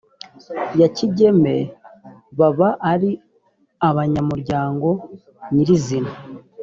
ya kigeme baba ari abanyamuryango nyir izina